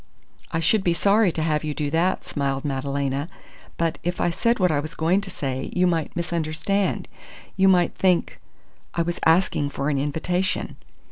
"I should be sorry to have you do that!" smiled Madalena. "But if I said what I was going to say, you might misunderstand. You might think I was asking for an invitation."